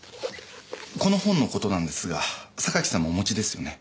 この本のことなんですが榊さんもお持ちですよね？